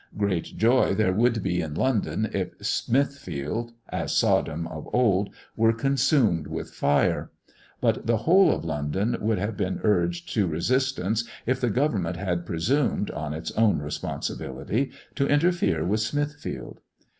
Great joy there would be in London, if Smithfield, as Sodom of old, were consumed with fire; but the whole of London would have been urged to resistance if the government had presumed, on its own responsibility, to interfere with Smithfield.